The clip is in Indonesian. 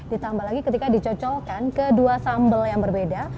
ditambah lagi ketika dicocolkan ke dua sambel yang berbeda